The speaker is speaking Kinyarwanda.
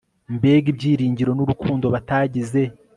mbega ibyiringiro n'urukundo batagize